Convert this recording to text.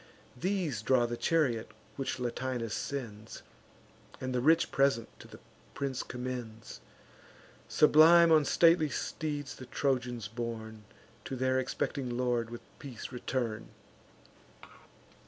These draw the chariot which Latinus sends, And the rich present to the prince commends. Sublime on stately steeds the Trojans borne, To their expecting lord with peace return.